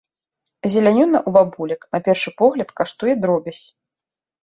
Зеляніна ў бабулек, на першы погляд, каштуе дробязь.